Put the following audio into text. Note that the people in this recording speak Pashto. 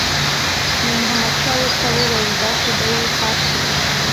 نور محمد شاه ورته وویل داسې به یې فرض کړو.